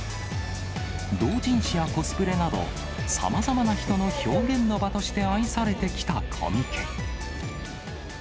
同人誌やコスプレなど、さまざまな人の表現の場として愛されてきたコミケ。